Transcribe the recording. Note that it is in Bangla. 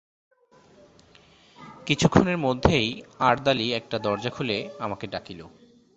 কিছুক্ষণের মধ্যেই আরদালি একটা দরজা খুলে আমাকে ডাকিল।